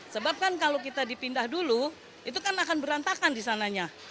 sebab kan kalau kita dipindah dulu itu kan akan berantakan di sananya